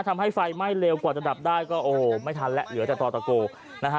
ทำให้ไฟไหม้เร็วกว่าจะดับได้ก็โอ้ไม่ทันแล้วเหลือแต่ต่อตะโกนะฮะ